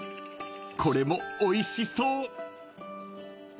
［これもおいしそう］